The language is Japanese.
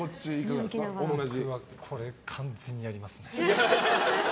僕はこれ、完全にやりますね。